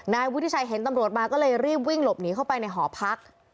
นายวุฒิชัยเห็นตำรวจมาก็เลยรีบวิ่งหลบหนีเข้าไปในหอพัก